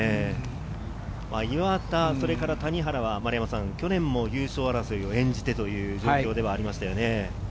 岩田、谷原は去年も優勝争いを演じてという状況ではありましたよね。